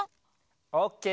オッケー！